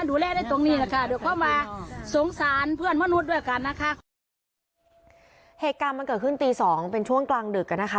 เหตุการณ์มันเกิดขึ้นตีสองเป็นช่วงกลางดึกอ่ะนะคะ